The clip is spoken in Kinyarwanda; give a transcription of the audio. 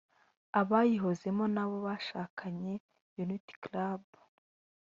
abayihozemo n’abo bashakanye “Unity Club”